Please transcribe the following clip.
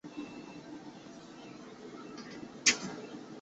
他因娶了一位奥斯曼公主而成为了奥斯曼王朝的驸马。